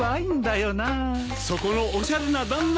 そこのおしゃれな旦那！